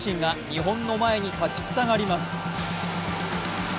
日本の前に立ち塞がります。